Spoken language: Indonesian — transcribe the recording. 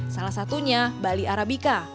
salah satunya bali arabica